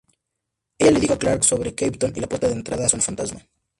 Ella le dijo a Clark sobre Krypton y la puerta de entrada Zona Fantasma.